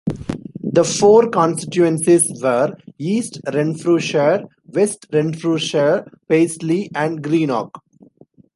The four constituencies were: East Renfrewshire, West Renfrewshire, Paisley and Greenock.